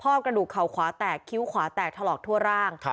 กระดูกเข่าขวาแตกคิ้วขวาแตกถลอกทั่วร่าง